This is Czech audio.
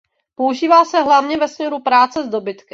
Používá se hlavně ve směru práce s dobytkem.